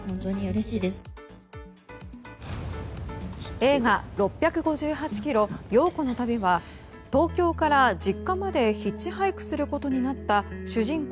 映画「６５８ｋｍ、陽子の旅」は他にも東京から実家までヒッチハイクすることになった主人公